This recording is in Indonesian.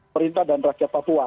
perintah dan rakyat papua